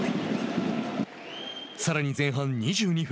さらに前半２２分。